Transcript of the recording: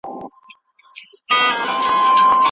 ټکنالوژي دوديزه زده کړه قوي کوي او د پرمختګ لپاره بدلون راولي.